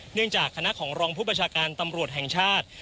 จากคณะของรองผู้ประชาการตำรวจแห่งชาติ